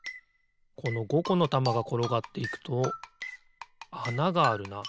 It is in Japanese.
この５このたまがころがっていくとあながあるな。